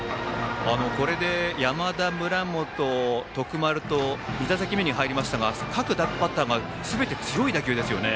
これで山田、村本、徳丸と２打席目に入りましたが各バッターが強い打球ですね。